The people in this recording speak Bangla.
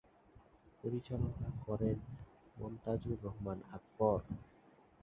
পরিচালনা করেন মনতাজুর রহমান আকবর।